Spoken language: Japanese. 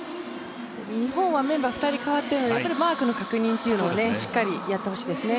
日本はメンバー２人代わっているので、マークの確認をしっかりやってほしいですね。